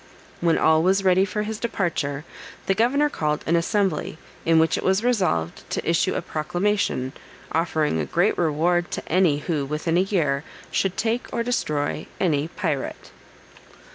When all was ready for his departure, the governor called an assembly, in which it was resolved to issue a proclamation, offering a great reward to any who, within a year, should take or destroy any pirate.